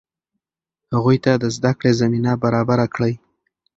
هغوی ته د زده کړې زمینه برابره کړئ.